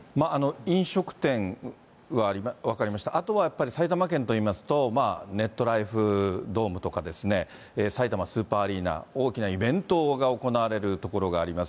飲食店は分かりました、あとはやっぱり、埼玉県といいますと、メットライフドームとかさいたまスーパーアリーナ、大きなイベントが行われる所があります。